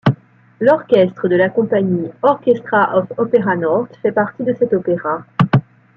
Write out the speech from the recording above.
L'orchestre de la compagnie, Orchestra of Opera North, fait partie de cet opéra.